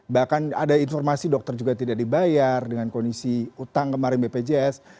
bahkan ada informasi dokter juga tidak dibayar dengan kondisi utang kemarin bpjs